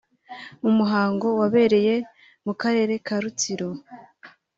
mu muhango wabereye mu karere ka Rutsiro